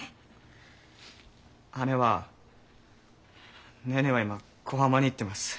姉は姉え姉えは今小浜に行ってます。